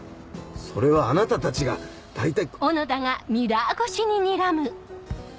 それはあなたたちが大体。